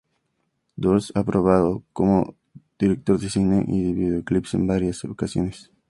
Durst ha probado como director de cine y de videoclips en varias ocasiones.